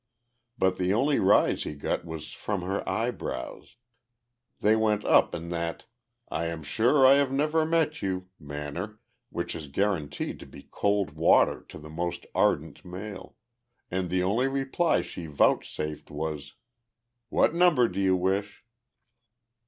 But the only rise he got was from her eyebrows. They went up in that "I am sure I have never met you" manner which is guaranteed to be cold water to the most ardent male, and the only reply she vouchsafed was "What number did you wish?"